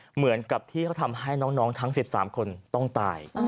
เหมือนกับที่เขาทำให้น้องทั้ง๑๓คนต้องตาย